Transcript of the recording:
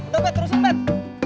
dumpet terus umpet